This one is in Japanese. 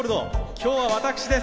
今日は私です。